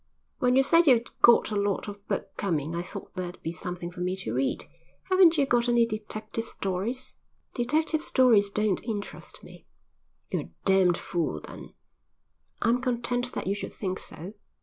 "When you said you'd got a lot of books coming I thought there'd be something for me to read. Haven't you got any detective stories?" "Detective stories don't interest me." "You're a damned fool then." "I'm content that you should think so."